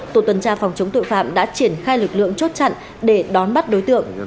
tổ tuần tra phòng chống tội phạm đã triển khai lực lượng chốt chặn để đón bắt đối tượng